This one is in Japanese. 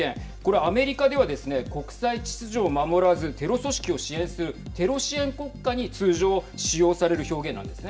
アメリカでは国際秩序を守らずテロ組織を支援するテロ支援国家に通常使用される表現なんですね。